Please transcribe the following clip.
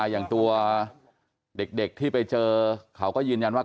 อย่างตัวเด็กที่ไปเจอเขาก็ยืนยันว่า